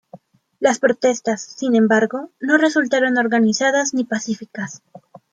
Las protestas, sin embargo, no resultaron organizadas ni pacíficas.